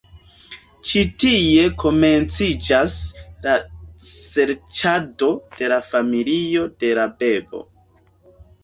Ĉi tie komenciĝas la serĉado de la familio de la bebo.